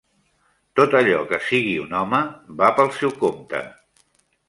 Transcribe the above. Tot allò que sigui un home, va pel seu compte.